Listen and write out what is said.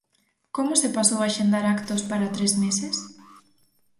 Como se pasou a axendar actos para tres meses?